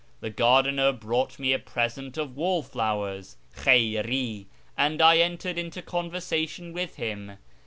The gardener brought me a present of wall flowers (Jcheyri), and I entered into conversation with him.